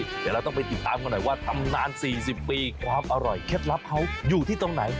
เดี๋ยวเราต้องไปติดตามกันหน่อยว่าตำนาน๔๐ปีความอร่อยเคล็ดลับเขาอยู่ที่ตรงไหน